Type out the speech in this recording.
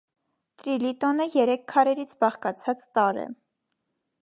Տրիլիտոնը երեք քարերից բաղկացած տարր է։